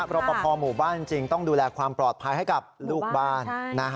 รอปภหมู่บ้านจริงต้องดูแลความปลอดภัยให้กับลูกบ้าน